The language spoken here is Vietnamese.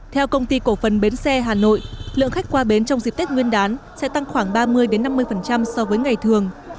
theo công ty cổ phần bến xe hà nội lượng khách qua bến trong dịp tết nguyên đán sẽ tăng khoảng ba mươi năm mươi so với ngày thường